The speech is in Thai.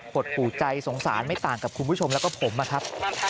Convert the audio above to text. ดปู่ใจสงสารไม่ต่างกับคุณผู้ชมแล้วก็ผมนะครับ